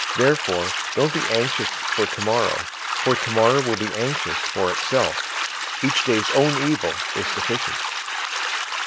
006:034 Therefore don't be anxious for tomorrow, for tomorrow will be anxious for itself. Each day's own evil is sufficient.